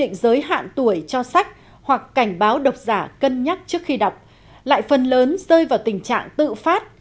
định giới hạn tuổi cho sách hoặc cảnh báo độc giả cân nhắc trước khi đọc lại phần lớn rơi vào tình trạng tự phát